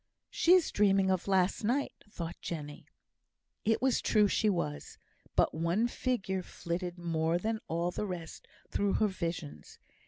"She is dreaming of last night," thought Jenny. It was true she was; but one figure flitted more than all the rest through her visions.